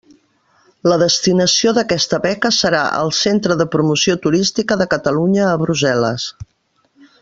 La destinació d'aquesta beca serà el Centre de Promoció Turística de Catalunya a Brussel·les.